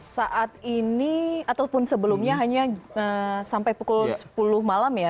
saat ini ataupun sebelumnya hanya sampai pukul sepuluh malam ya